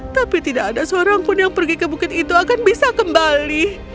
tapi tidak ada seorang pun yang pergi ke bukit itu akan bisa kembali